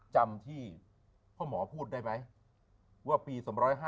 จำที่พ่อหมอพูดได้ไหมว่าปี๒๕๕๙